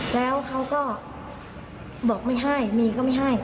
แล้วเขาก็บอกไม่ให้มีก็ไม่ให้